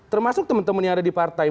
termasuk teman temannya ada di partai